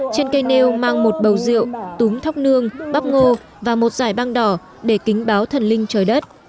trên cây nêu mang một bầu rượu túi thóc nương bắp ngô và một giải băng đỏ để kính báo thần linh trời đất